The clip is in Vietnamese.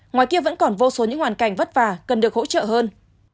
ngoài kia vẫn còn vô số những hoàn cảnh vất vả cần được hỗ trợ hơn